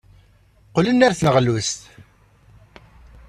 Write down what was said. Qqlen ɣer tneɣlust.